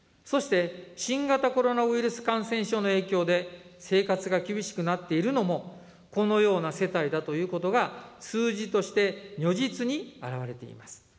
そして、新型コロナウイルス感染症の影響で、生活が厳しくなっているのも、このような世帯だということが数字として如実に表れています。